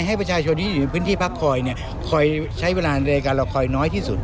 ให้ประชาชนที่อยู่ในพื้นที่พักคอยเนี่ยคอยใช้เวลาในการรอคอยน้อยที่สุด